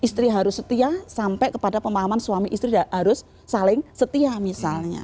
istri harus setia sampai kepada pemahaman suami istri harus saling setia misalnya